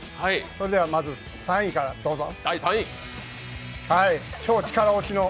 それではまず３位からどうぞ。